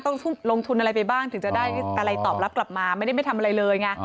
ลงทุนอะไรไปบ้างถึงจะได้อะไรตอบรับกลับมาไม่ได้ไม่ทำอะไรเลยไง